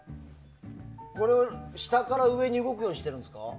下から上に動くようにしてるんですか？